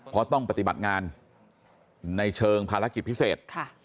เพราะต้องปฏิบัติงานในเชิงภารกิจพิเศษ